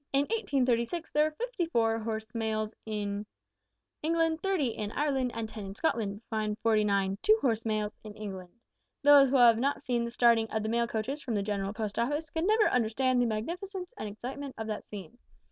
In 1836 there were fifty four horse mails in England, thirty in Ireland, and ten in Scotland, besides forty nine two horse mails in England. Those who have not seen the starting of the mail coaches from the General Post Office can never understand the magnificence and excitement of that scene.